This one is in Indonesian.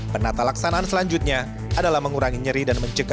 penatalaksanaan selanjutnya adalah mengurangi nyeri dan mengembangkan